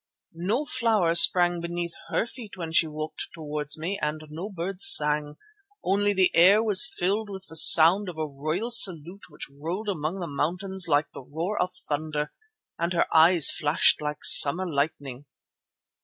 No flowers sprang beneath her feet when she walked towards me and no birds sang, only the air was filled with the sound of a royal salute which rolled among the mountains like the roar of thunder, and her eyes flashed like summer lightning."